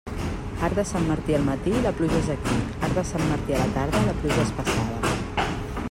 Arc de Sant Martí al matí, la pluja és aquí; arc de Sant Martí a la tarda, la pluja és passada.